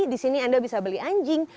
di sini anda bisa beli anjing